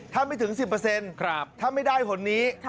ถ้าไม่ถึง๑๐ถ้าไม่ได้หนนี้